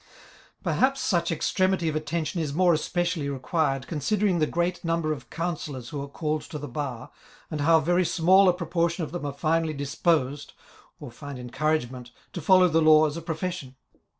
*'! Perhaps such extremity of attention is more especially required, considering the great mmiber of counsellors who are called to the bar, and how very small a propor tion of them are finally disposed, or find encouragement, to follow the law as a profession.